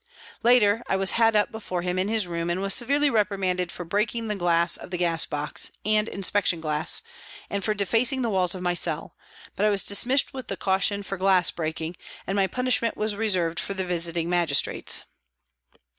Later, I was had up before him in his room and was severely reprimanded for breaking the glass of the gas box and " inspection " glass, and for defacing the walls of my cell, but I was dismissed with a caution for glass breaking, and my punish ment was reserved for the Visiting Magistrates.